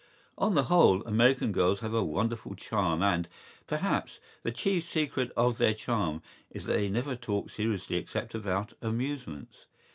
¬Ý On the whole, American girls have a wonderful charm and, perhaps, the chief secret of their charm is that they never talk seriously except about amusements.